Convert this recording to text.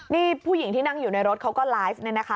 นี่ผู้หญิงที่นั่งอยู่ในรถเขาก็ไลฟ์เนี่ยนะคะ